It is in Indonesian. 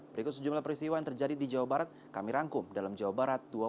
berikut sejumlah peristiwa yang terjadi di jawa barat kami rangkum dalam jawa barat dua puluh empat jam